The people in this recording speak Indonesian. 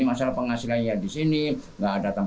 dataran yang masih tinggi